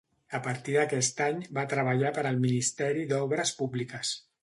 A partir d'aquest any va treballar per al Ministeri d'Obres Públiques.